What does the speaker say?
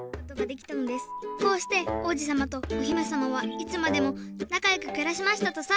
こうしておうじさまとおひめさまはいつまでもなかよくくらしましたとさ。